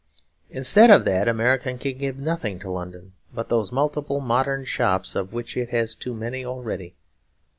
Instead of that, America can give nothing to London but those multiple modern shops, of which it has too many already.